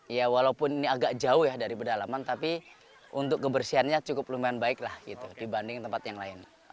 ya walaupun ini agak jauh ya dari pedalaman tapi untuk kebersihannya cukup lumayan baik lah gitu dibanding tempat yang lain